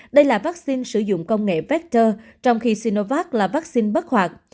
đây là vaccine sử dụng công nghệ vector trong khi sinovac là vaccine bất hoạt